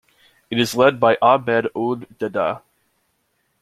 It is led by Ahmed Ould Daddah.